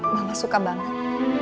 mama suka banget